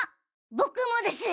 僕もです。